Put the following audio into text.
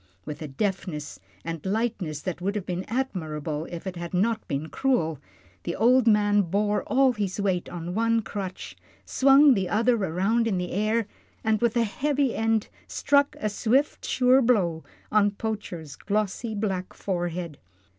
With a deftness and lightness that would have been admirable if it had not been cruel, the old man bore all his weight on one crutch, swung the other around in the air, and with the heavy end struck a swift, sure blow on Poacher's glossy black forehead.